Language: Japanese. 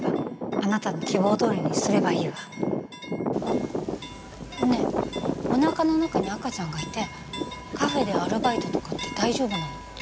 あなたの希望どおりにすればいいわねえおなかの中に赤ちゃんがいてカフェでアルバイトとかって大丈夫なの？